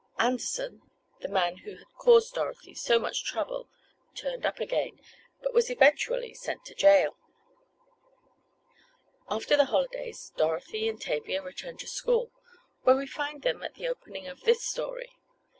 Anderson, the man who had caused Dorothy so much trouble turned up again, but was eventually sent to jail. After the holidays Dorothy and Tavia returned to school, where we find them at the opening of this story.